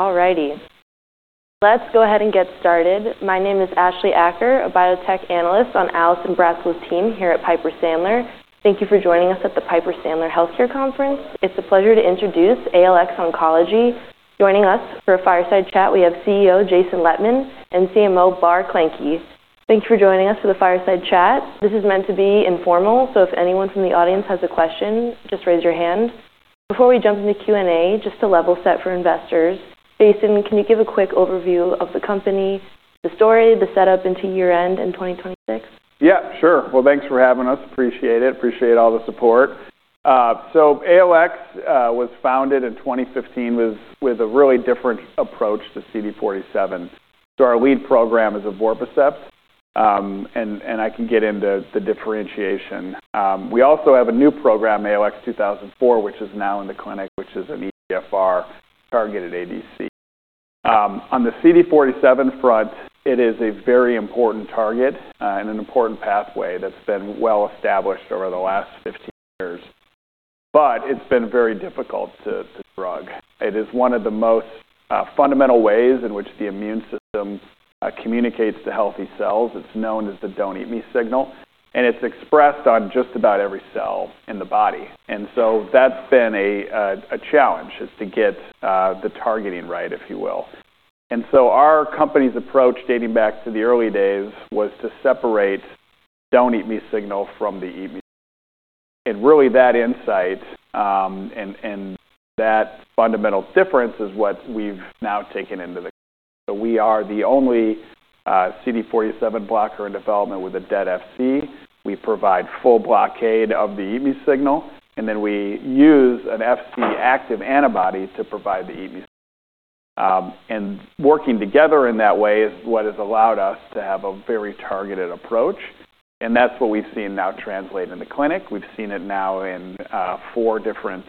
All righty. Let's go ahead and get started. My name is Ashleigh Acker, a Biotech Analyst on Allison Bratzel's team here at Piper Sandler. Thank you for joining us at the Piper Sandler Healthcare Conference. It's a pleasure to introduce ALX Oncology. Joining us for a fireside chat, we have CEO Jason Lettmann and CMO Barbara Klencke. Thank you for joining us for the fireside chat. This is meant to be informal, so if anyone from the audience has a question, just raise your hand. Before we jump into Q&A, just to level set for investors, Jason, can you give a quick overview of the company, the story, the setup into year-end in 2026? Yeah, sure. Well, thanks for having us. Appreciate it. Appreciate all the support. ALX was founded in 2015 with a really different approach to CD47. Our lead program is evorpacept, and I can get into the differentiation. We also have a new program, ALX 2004, which is now in the clinic, which is an EGFR targeted ADC. On the CD47 front, it is a very important target and an important pathway that's been well established over the last 15 years. But it's been very difficult to drug. It is one of the most fundamental ways in which the immune system communicates to healthy cells. It's known as the "don't eat me" signal, and it's expressed on just about every cell in the body. And so that's been a challenge: to get the targeting right, if you will. And so our company's approach, dating back to the early days, was to separate the "don't eat me" signal from the "eat me." And really, that insight and that fundamental difference is what we've now taken into the clinic. So we are the only CD47 blocker in development with a dead Fc. We provide full blockade of the eat me signal, and then we use an Fc active antibody to provide the eat me signal. And working together in that way is what has allowed us to have a very targeted approach. And that's what we've seen now translate in the clinic. We've seen it now in four different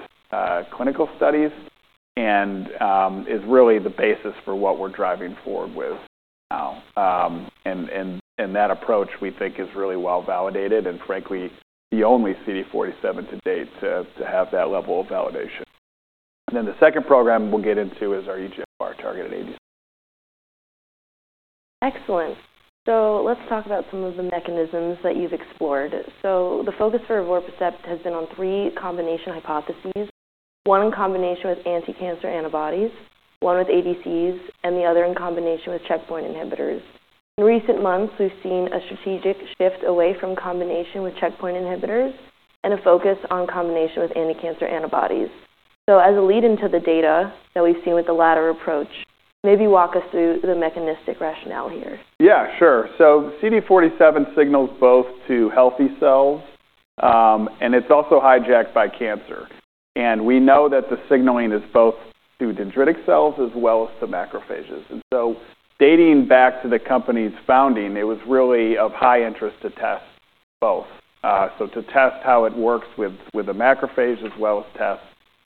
clinical studies and is really the basis for what we're driving forward with now. And that approach, we think, is really well validated and, frankly, the only CD47 to date to have that level of validation. And then the second program we'll get into is our EGFR-targeted ADC. Excellent. So let's talk about some of the mechanisms that you've explored. So the focus for evorpacept has been on three combination hypotheses: one in combination with anti-cancer antibodies, one with ADCs, and the other in combination with checkpoint inhibitors. In recent months, we've seen a strategic shift away from combination with checkpoint inhibitors and a focus on combination with anti-cancer antibodies. So as a lead into the data that we've seen with the latter approach, maybe walk us through the mechanistic rationale here. Yeah, sure. So CD47 signals both to healthy cells, and it's also hijacked by cancer. And we know that the signaling is both to dendritic cells as well as to macrophages. And so dating back to the company's founding, it was really of high interest to test both. So to test how it works with the macrophage as well as test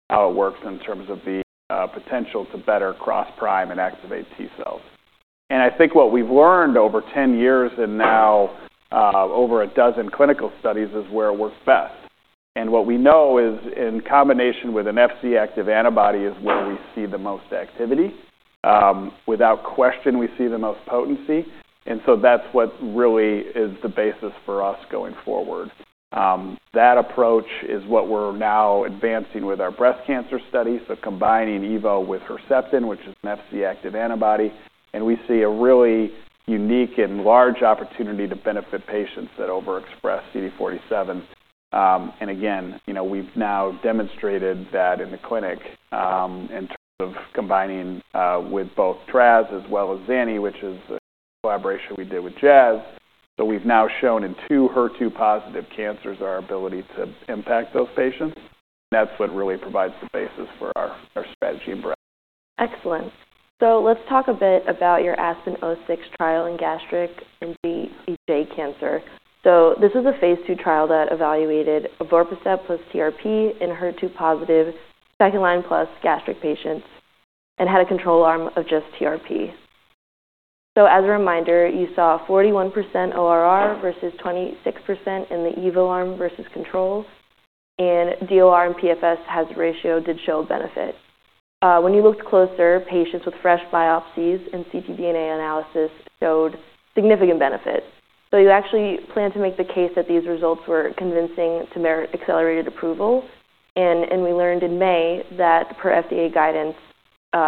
how it works in terms of the potential to better cross-prime and activate T cells. And I think what we've learned over 10 years and now over a dozen clinical studies is where it works best. And what we know is in combination with an Fc active antibody is where we see the most activity. Without question, we see the most potency. And so that's what really is the basis for us going forward. That approach is what we're now advancing with our breast cancer studies. So combining evo with Herceptin, which is an Fc-active antibody, and we see a really unique and large opportunity to benefit patients that overexpress CD47. And again, we've now demonstrated that in the clinic in terms of combining with both tras as well as zani, which is a collaboration we did with Jazz. So we've now shown in two HER2-positive cancers our ability to impact those patients. And that's what really provides the basis for our strategy in breast. Excellent. So let's talk a bit about your ALX Oncology Holdings trial in gastric and GEJ cancer. So this is a phase 2 trial that evaluated evorpacept plus TRP in HER2-positive second-line plus gastric patients and had a control arm of just TRP. So as a reminder, you saw 41% ORR versus 26% in the evo arm versus control, and DOR and PFS hazard ratio did show benefit. When you looked closer, patients with fresh biopsies and ctDNA analysis showed significant benefit. So you actually plan to make the case that these results were convincing to merit accelerated approval. And we learned in May that per FDA guidance,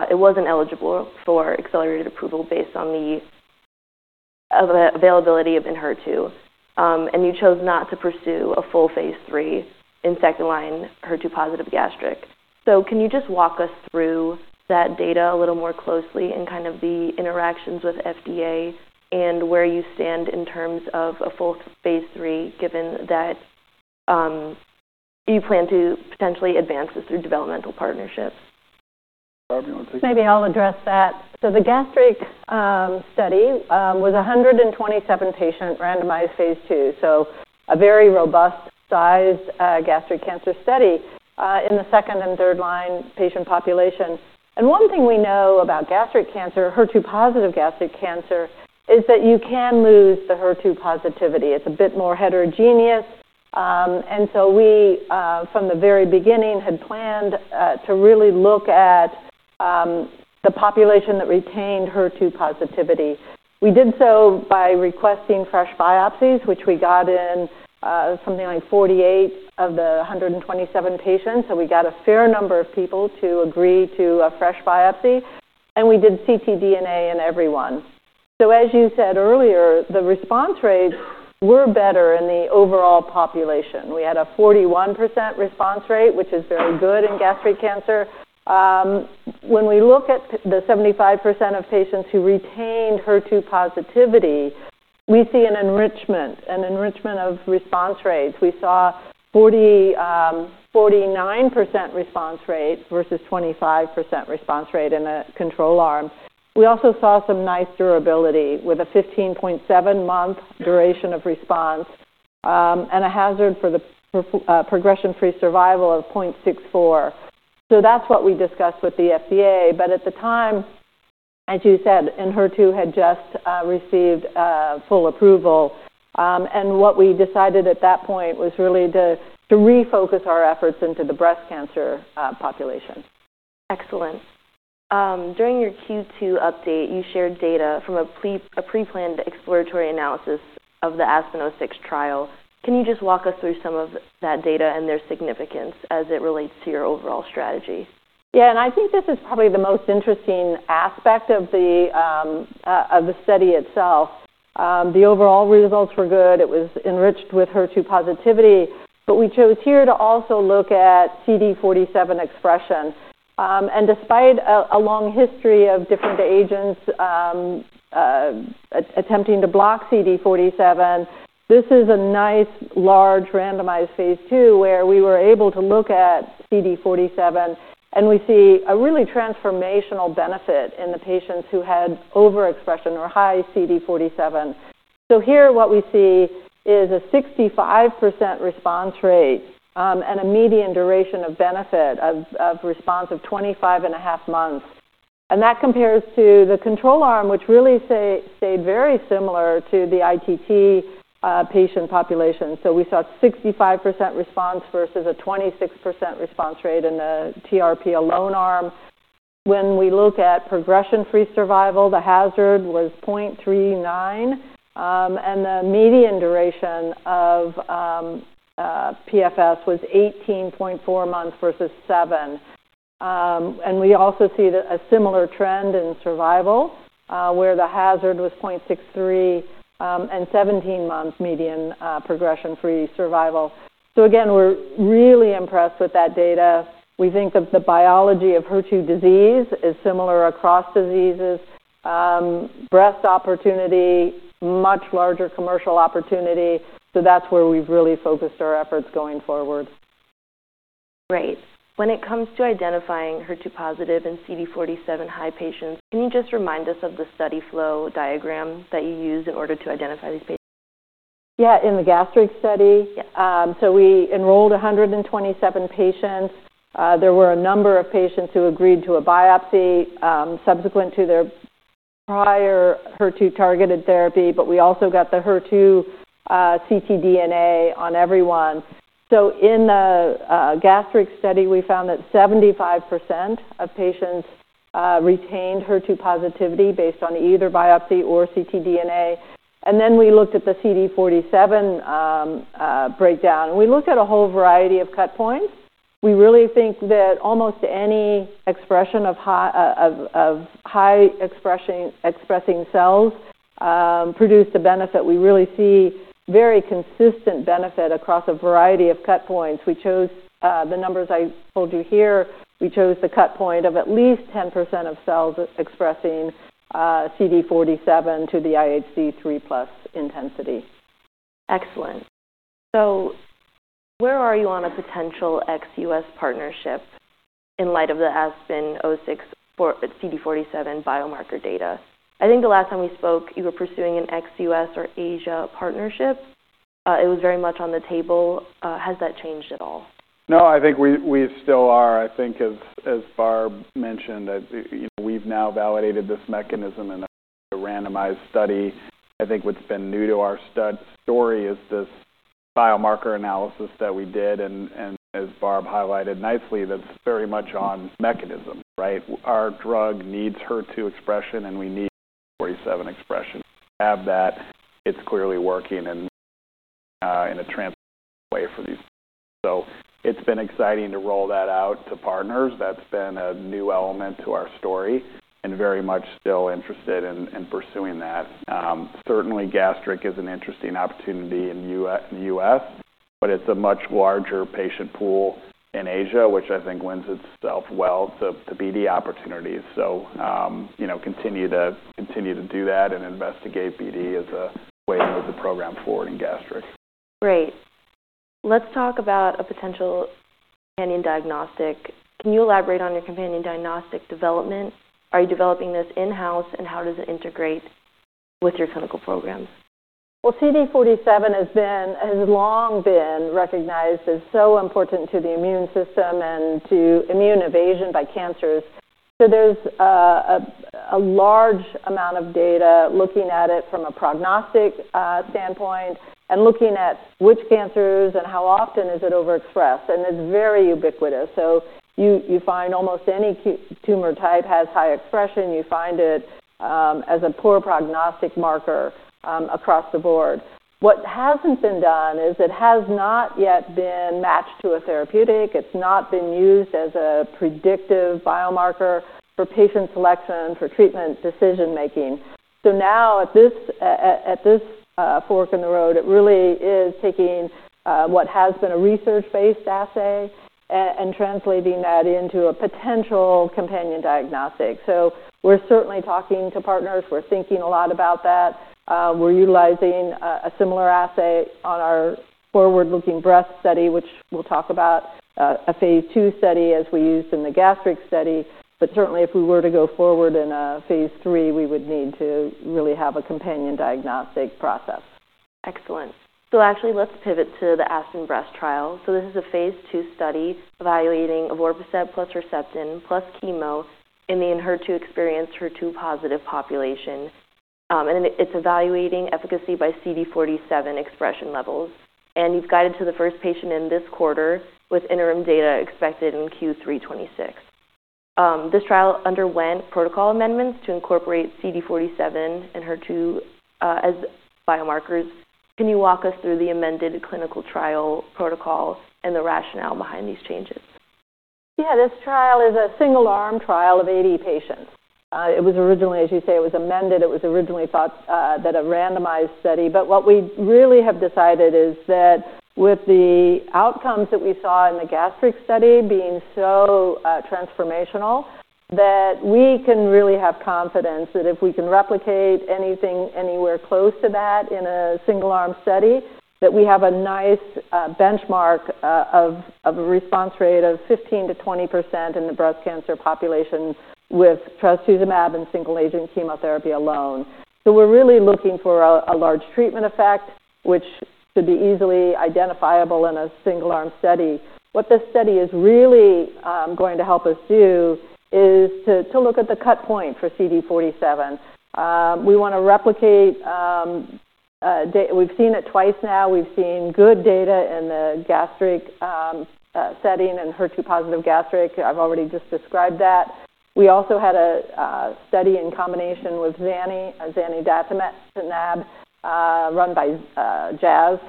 it wasn't eligible for accelerated approval based on the availability of Enhertu. And you chose not to pursue a full phase 3 in second-line HER2-positive gastric. So can you just walk us through that data a little more closely and kind of the interactions with FDA and where you stand in terms of a full phase three, given that you plan to potentially advance this through developmental partnerships? Barbara, do you want to take that? Maybe I'll address that. So the gastric study was 127 patients randomized phase 2, so a very robust-sized gastric cancer study in the second- and third-line patient population. And one thing we know about gastric cancer, HER2-positive gastric cancer, is that you can lose the HER2 positivity. It's a bit more heterogeneous. And so we, from the very beginning, had planned to really look at the population that retained HER2 positivity. We did so by requesting fresh biopsies, which we got in something like 48 of the 127 patients. So we got a fair number of people to agree to a fresh biopsy. And we did ctDNA in everyone. So as you said earlier, the response rates were better in the overall population. We had a 41% response rate, which is very good in gastric cancer. When we look at the 75% of patients who retained HER2 positivity, we see an enrichment of response rates. We saw 49% response rate versus 25% response rate in a control arm. We also saw some nice durability with a 15.7-month duration of response and a hazard for the progression-free survival of 0.64. So that's what we discussed with the FDA. But at the time, as you said, Enhertu had just received full approval. And what we decided at that point was really to refocus our efforts into the breast cancer population. Excellent. During your Q2 update, you shared data from a pre-planned exploratory analysis of the ALX Oncology Holdings ASPEN-06 trial. Can you just walk us through some of that data and their significance as it relates to your overall strategy? Yeah, and I think this is probably the most interesting aspect of the study itself. The overall results were good. It was enriched with HER2 positivity. But we chose here to also look at CD47 expression. And despite a long history of different agents attempting to block CD47, this is a nice, large randomized phase two where we were able to look at CD47, and we see a really transformational benefit in the patients who had overexpression or high CD47. So here, what we see is a 65% response rate and a median duration of benefit of response of 25 and a half months. And that compares to the control arm, which really stayed very similar to the ITT patient population. So we saw a 65% response versus a 26% response rate in the TRP alone arm. When we look at progression-free survival, the hazard was 0.39, and the median duration of PFS was 18.4 months versus 7, and we also see a similar trend in survival, where the hazard was 0.63 and 17 months median progression-free survival. So again, we're really impressed with that data. We think that the biology of HER2 disease is similar across diseases. Breast opportunity, much larger commercial opportunity. So that's where we've really focused our efforts going forward. Great. When it comes to identifying HER2-positive and CD47 high patients, can you just remind us of the study flow diagram that you used in order to identify these patients? Yeah, in the gastric study. So we enrolled 127 patients. There were a number of patients who agreed to a biopsy subsequent to their prior HER2 targeted therapy, but we also got the HER2 ctDNA on everyone. In the gastric study, we found that 75% of patients retained HER2 positivity based on either biopsy or ctDNA. And then we looked at the CD47 breakdown. We looked at a whole variety of cut points. We really think that almost any expression of high-expressing cells produced a benefit. We really see very consistent benefit across a variety of cut points. We chose the numbers I told you here. We chose the cut point of at least 10% of cells expressing CD47 to the IHC 3+ intensity. Excellent. So where are you on a potential ALX Oncology Holdings partnership in light of the ALX Oncology Holdings CD47 biomarker data? I think the last time we spoke, you were pursuing an ALX Oncology Holdings Asia partnership. It was very much on the table. Has that changed at all? No, I think we still are. I think, as Barb mentioned, we've now validated this mechanism in a randomized study. I think what's been new to our story is this biomarker analysis that we did. And as Barb highlighted nicely, that's very much on mechanism, right? Our drug needs HER2 expression, and we need CD47 expression. Have that, it's clearly working in a transformative way for these patients. So it's been exciting to roll that out to partners. That's been a new element to our story and very much still interested in pursuing that. Certainly, gastric is an interesting opportunity in the U.S., but it's a much larger patient pool in Asia, which I think lends itself well to BD opportunities. So continue to do that and investigate BD as a way to move the program forward in gastric. Great. Let's talk about a potential companion diagnostic. Can you elaborate on your companion diagnostic development? Are you developing this in-house, and how does it integrate with your clinical programs? CD47 has long been recognized as so important to the immune system and to immune evasion by cancers. So there's a large amount of data looking at it from a prognostic standpoint and looking at which cancers and how often is it overexpressed. And it's very ubiquitous. So you find almost any tumor type has high expression. You find it as a poor prognostic marker across the board. What hasn't been done is it has not yet been matched to a therapeutic. It's not been used as a predictive biomarker for patient selection for treatment decision-making. Now, at this fork in the road, it really is taking what has been a research-based assay and translating that into a potential companion diagnostic. We're certainly talking to partners. We're thinking a lot about that. We're utilizing a similar assay on our forward-looking breast study, which we'll talk about, a phase two study, as we used in the gastric study. But certainly, if we were to go forward in a phase three, we would need to really have a companion diagnostic process. Excellent. Actually, let's pivot to the ALX Oncology Holdings trial. This is a phase two study evaluating evorpacept plus Herceptin plus chemo in the HER2-experienced HER2-positive population. And it's evaluating efficacy by CD47 expression levels. And you've guided to the first patient in this quarter with interim data expected in Q3 2026. This trial underwent protocol amendments to incorporate CD47 and HER2 as biomarkers. Can you walk us through the amended clinical trial protocol and the rationale behind these changes? Yeah, this trial is a single-arm trial of 80 patients. It was originally, as you say, it was amended. It was originally thought that a randomized study. But what we really have decided is that with the outcomes that we saw in the gastric study being so transformational that we can really have confidence that if we can replicate anything anywhere close to that in a single-arm study, that we have a nice benchmark of a response rate of 15%-20% in the breast cancer population with Trastuzumab and single-agent chemotherapy alone. So we're really looking for a large treatment effect, which could be easily identifiable in a single-arm study. What this study is really going to help us do is to look at the cut point for CD47. We want to replicate we've seen it twice now. We've seen good data in the gastric setting and HER2-positive gastric. I've already just described that. We also had a study in combination with Zanidatamab, run by Jazz.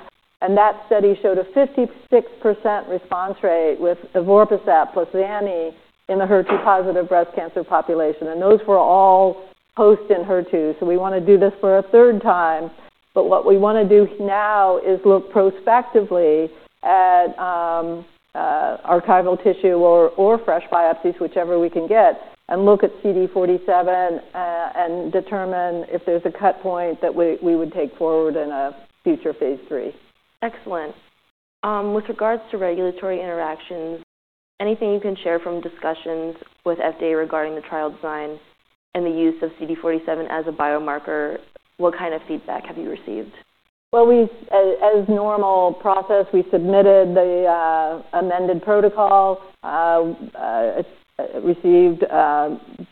And that study showed a 56% response rate with evorpacept plus Zanidatamab in the HER2-positive breast cancer population. And those were all post-Enhertu. So we want to do this for a third time. But what we want to do now is look prospectively at archival tissue or fresh biopsies, whichever we can get, and look at CD47 and determine if there's a cut point that we would take forward in a future phase 3. Excellent. With regards to regulatory interactions, anything you can share from discussions with FDA regarding the trial design and the use of CD47 as a biomarker? What kind of feedback have you received? As normal process, we submitted the amended protocol. Received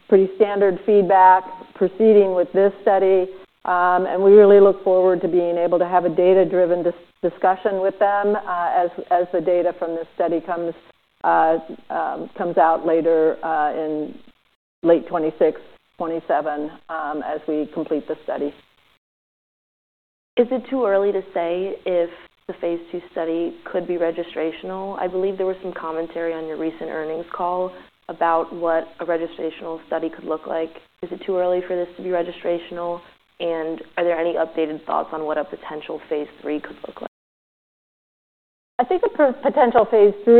pretty standard feedback proceeding with this study. We really look forward to being able to have a data-driven discussion with them as the data from this study comes out later in late 2026, 2027 as we complete the study. Is it too early to say if the phase two study could be registrational? I believe there was some commentary on your recent earnings call about what a registrational study could look like. Is it too early for this to be registrational? Are there any updated thoughts on what a potential phase three could look like? I think the potential phase 3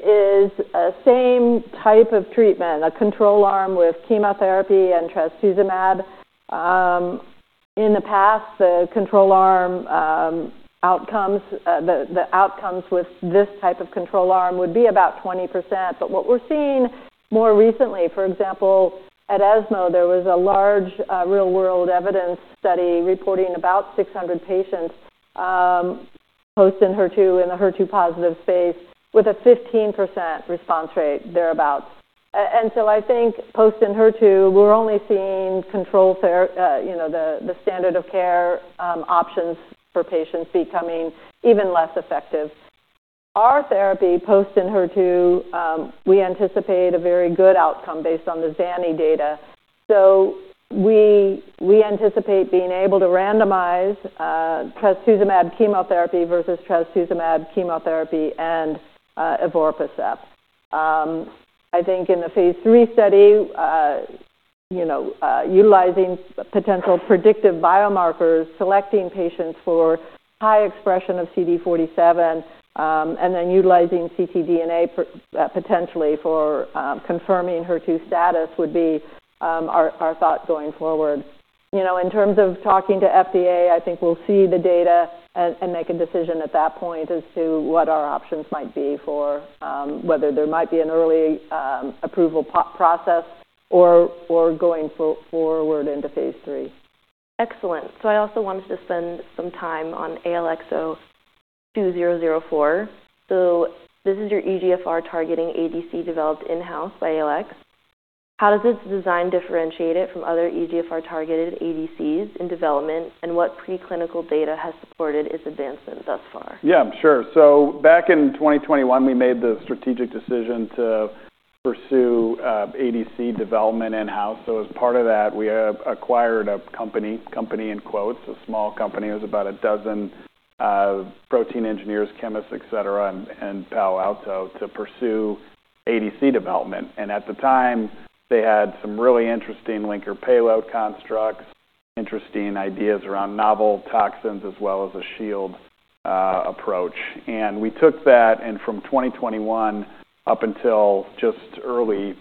is the same type of treatment, a control arm with chemotherapy and Trastuzumab. In the past, the control arm outcomes, the outcomes with this type of control arm would be about 20%. But what we're seeing more recently, for example, at ALX Oncology Holdings, there was a large real-world evidence study reporting about 600 patients post-Enhertu in the HER2-positive space with a 15% response rate, thereabouts. And so I think post-Enhertu, we're only seeing control therapy, the standard of care options for patients becoming even less effective. Our therapy post-Enhertu, we anticipate a very good outcome based on the Zanidatamab data. So we anticipate being able to randomize Trastuzumab chemotherapy versus Trastuzumab chemotherapy and evorpacept. I think in the phase 3 study, utilizing potential predictive biomarkers, selecting patients for high expression of CD47, and then utilizing ctDNA potentially for confirming HER2 status would be our thought going forward. In terms of talking to FDA, I think we'll see the data and make a decision at that point as to what our options might be for whether there might be an early approval process or going forward into phase 3. Excellent. So I also wanted to spend some time on ALX2004. So this is your EGFR-targeting ADC developed in-house by ALX. How does its design differentiate it from other EGFR-targeted ADCs in development, and what preclinical data has supported its advancement thus far? Yeah, sure. So back in 2021, we made the strategic decision to pursue ADC development in-house. So as part of that, we acquired a company, company in quotes, a small company. It was about a dozen protein engineers, chemists, etc., and Palo Alto to pursue ADC development, and at the time, they had some really interesting linker payload constructs, interesting ideas around novel toxins as well as a shield approach, and we took that and from 2021 up until just early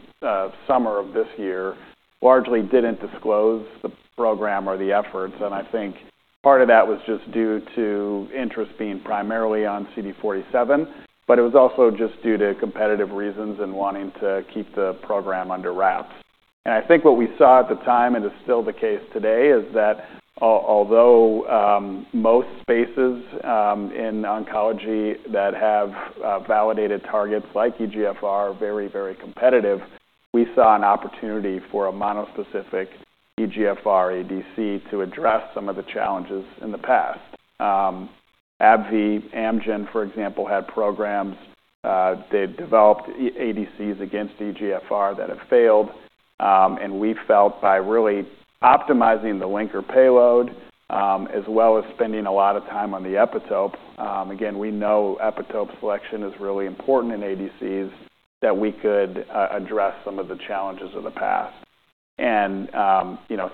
summer of this year, largely didn't disclose the program or the efforts, and I think part of that was just due to interest being primarily on CD47, but it was also just due to competitive reasons and wanting to keep the program under wraps, and I think what we saw at the time, and is still the case today, is that although most spaces in oncology that have validated targets like EGFR are very, very competitive, we saw an opportunity for a monospecific EGFR ADC to address some of the challenges in the past. AbbVie, Amgen, for example, had programs. They developed ADCs against EGFR that have failed, and we felt by really optimizing the linker payload as well as spending a lot of time on the epitope, again, we know epitope selection is really important in ADCs that we could address some of the challenges of the past, and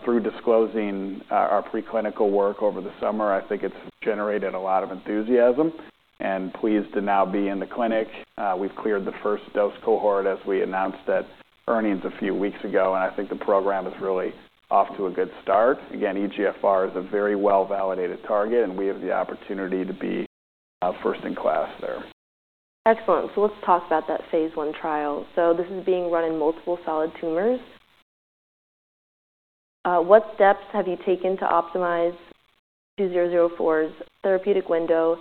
through disclosing our preclinical work over the summer, I think it's generated a lot of enthusiasm and pleased to now be in the clinic. We've cleared the first dose cohort as we announced that earnings a few weeks ago, and I think the program is really off to a good start. Again, EGFR is a very well-validated target, and we have the opportunity to be first in class there. Excellent, so let's talk about that phase one trial, so this is being run in multiple solid tumors. What steps have you taken to optimize 2004's therapeutic window?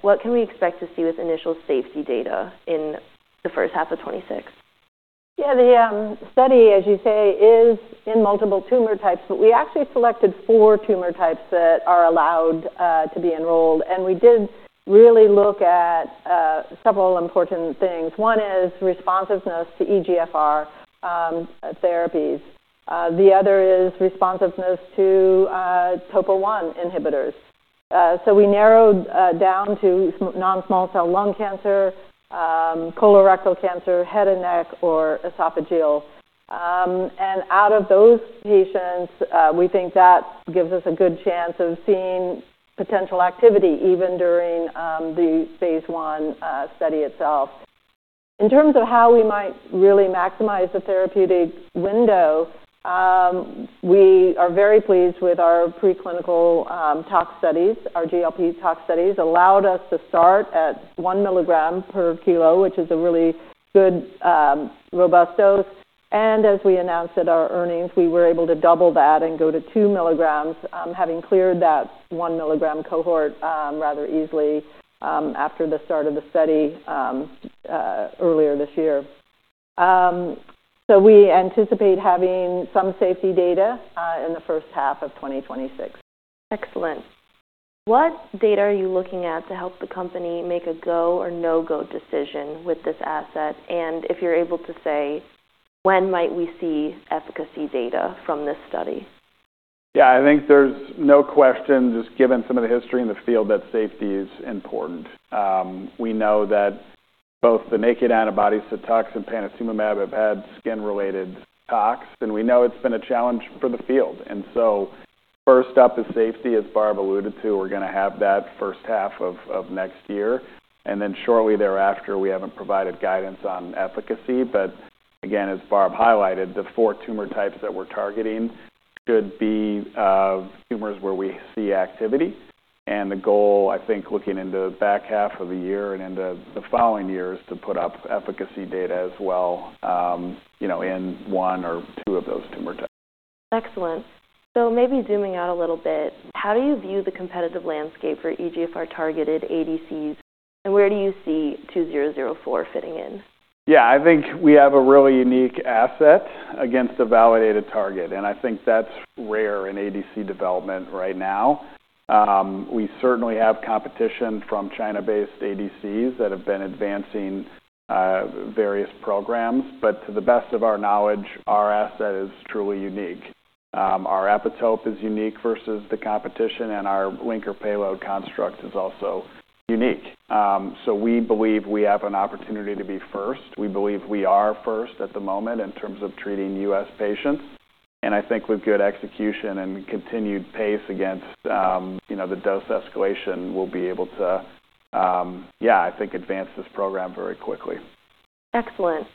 What can we expect to see with initial safety data in the first half of 2026? Yeah, the study, as you say, is in multiple tumor types, but we actually selected four tumor types that are allowed to be enrolled. We did really look at several important things. One is responsiveness to EGFR therapies. The other is responsiveness to TOPO1 inhibitors. So we narrowed down to non-small cell lung cancer, colorectal cancer, head and neck, or esophageal. Out of those patients, we think that gives us a good chance of seeing potential activity even during the phase one study itself. In terms of how we might really maximize the therapeutic window, we are very pleased with our preclinical tox studies. Our GLP tox studies allowed us to start at one milligram per kilo, which is a really good, robust dose. As we announced at our earnings, we were able to double that and go to two milligrams, having cleared that one milligram cohort rather easily after the start of the study earlier this year. We anticipate having some safety data in the first half of 2026. Excellent. What data are you looking at to help the company make a go or no-go decision with this asset? And if you're able to say, when might we see efficacy data from this study? Yeah, I think there's no question, just given some of the history in the field, that safety is important. We know that both the naked antibodies Cetuximab and Panitumumab have had skin-related tox, and we know it's been a challenge for the field. First up is safety, as Barb alluded to. We're going to have that first half of next year. And then shortly thereafter, we haven't provided guidance on efficacy. But again, as Barb highlighted, the four tumor types that we're targeting should be tumors where we see activity. And the goal, I think, looking into the back half of the year and into the following year is to put up efficacy data as well in one or two of those tumor types. Excellent. So maybe zooming out a little bit, how do you view the competitive landscape for EGFR-targeted ADCs? And where do you see 2004 fitting in? Yeah, I think we have a really unique asset against a validated target. And I think that's rare in ADC development right now. We certainly have competition from China-based ADCs that have been advancing various programs. But to the best of our knowledge, our asset is truly unique. Our epitope is unique versus the competition, and our linker payload construct is also unique. So we believe we have an opportunity to be first. We believe we are first at the moment in terms of treating U.S. patients. And I think with good execution and continued pace against the dose escalation, we'll be able to, yeah, I think advance this program very quickly. Excellent.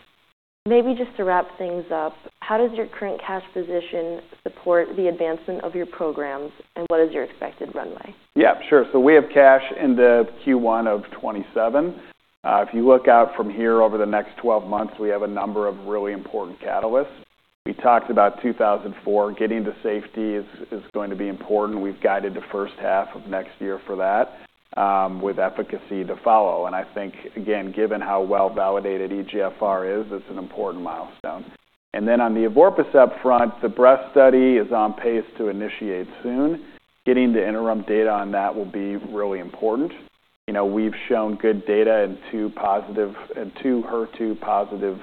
Maybe just to wrap things up, how does your current cash position support the advancement of your programs? And what is your expected runway? Yeah, sure. So we have cash in the Q1 of 2027. If you look out from here over the next 12 months, we have a number of really important catalysts. We talked about 2004, getting to safety is going to be important. We've guided the first half of next year for that with efficacy to follow. I think, again, given how well-validated EGFR is, it's an important milestone. Then on the evorpacept front, the breast study is on pace to initiate soon. Getting the interim data on that will be really important. We've shown good data in two HER2-positive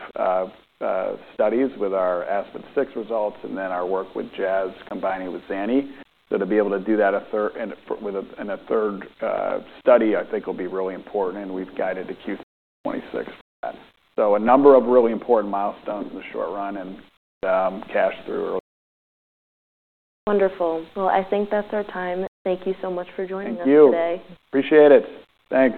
studies with our ALX Oncology's ASPEN-06 results and then our work with Jazz combining with Zanidatamab. To be able to do that in a third study, I think, will be really important. We've guided to Q2 2026 for that. A number of really important milestones in the short run and cash through early. Wonderful. I think that's our time. Thank you so much for joining us today. Thank you. Appreciate it. Thanks.